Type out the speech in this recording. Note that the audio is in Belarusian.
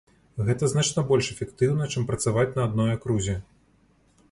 Гэта значна больш эфектыўна, чым працаваць на адной акрузе.